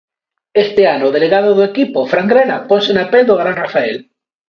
Este ano o delegado do equipo, Fran Grela, ponse na pel do gran Rafael.